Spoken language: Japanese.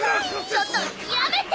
ちょっとやめて！